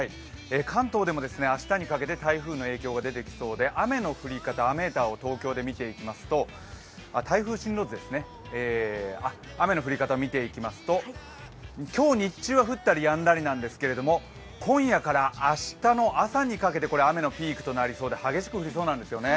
関東でも明日にかけて台風の影響が出てきそうで雨の降り方、雨ーターを東京で見ていきますと今日日中は降ったりやんだりなんですが、今日の日中にかけて夜に雨のピークとなりそうで、激しく降りそうなんですよね。